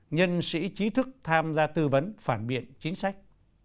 nhân sĩ trí thức tham gia tư vấn phản biện chính sách